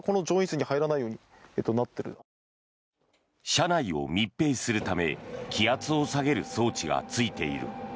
車内を密閉するため気圧を下げる装置がついている。